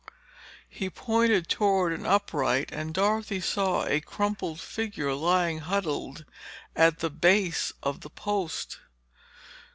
He pointed toward an upright and Dorothy saw a crumpled figure lying huddled at the base of the post.